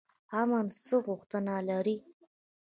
امن څه غوښتنه لري؟